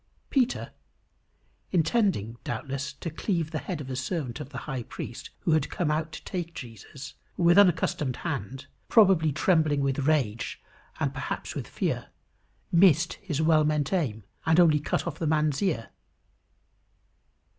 Peter, intending, doubtless, to cleave the head of a servant of the high priest who had come out to take Jesus, with unaccustomed hand, probably trembling with rage and perhaps with fear, missed his well meant aim, and only cut off the man's ear.